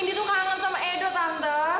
indi tuh kangen sama edo tante